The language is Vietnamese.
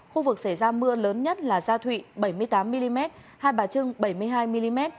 khu vực xảy ra mưa lớn nhất là gia thụy bảy mươi tám mm hai bà trưng bảy mươi hai mm